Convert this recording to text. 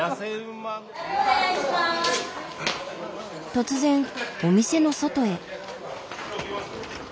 突然お店の外へ。